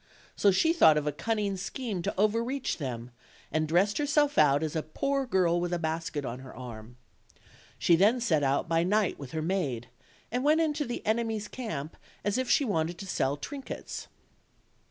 So she thought of a cunning scheme to OLD, OLD FAIRY TALES. 61 overreach them, and dressed herself out as a poor girl with a basket on her arm; she then set out by night with her maid, and went into the enemy's camp as if she wanted to sell trinkets.